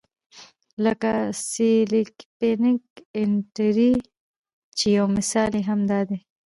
لکه د سکیلپنګ انټري چې یو مثال یې هم دا دی.